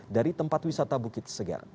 dari tempat wisata bukit segar